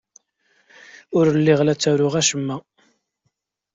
Ur lliɣ la ttaruɣ acemma.